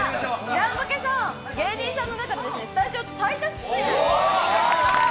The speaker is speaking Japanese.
ジャンポケさん、芸人さんの中でスタジオ最多出演。